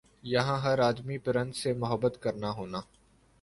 یَہاں ہَر آدمی پرند سے محبت کرنا ہونا ۔